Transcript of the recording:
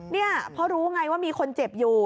นี่เพราะรู้ไงว่ามีคนเจ็บอยู่